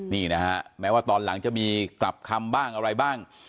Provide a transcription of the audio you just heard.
นี่นะฮะแม้ว่าตอนหลังจะมีกลับคำบ้างอะไรบ้าง